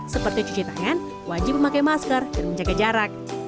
seperti cuci tangan wajib memakai masker dan menjaga jarak